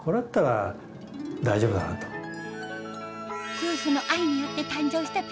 夫婦の愛によって誕生したピアリング